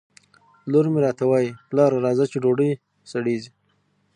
لور مې راته وایي ! پلاره راځه چې ډوډۍ سړېږي